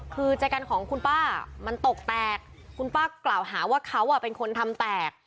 คือใจกันของคุณป้ามันตกแตกคุณป้ากล่าวหาว่าเขาเป็นคนทำแตก